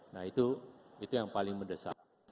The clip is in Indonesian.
nah itu yang paling mendesak